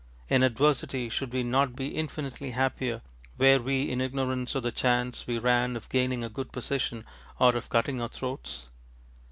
In adversity should we not be infinitely happier were we in ignorance of the chance we ran of gaining a good position or of cutting our throats?